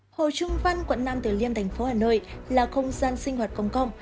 hồ trung văn quận năm tỉa liêm thành phố hà nội là không gian sinh hoạt công công